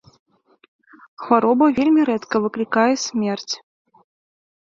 Хвароба вельмі рэдка выклікае смерць.